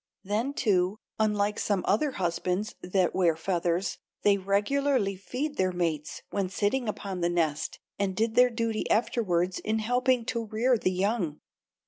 Then, too, unlike some other husbands that wear feathers, they regularly fed their mates when sitting upon the nest and did their duty afterward in helping to rear the young.